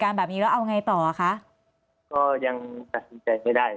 แบบนี้แล้วเอาไงต่ออ่ะคะก็ยังตัดสินใจไม่ได้